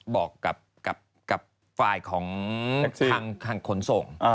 บอกกับฝ่ายของทางขนส่ง